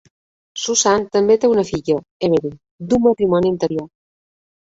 Susan també té una filla, Emery, d'un matrimoni anterior.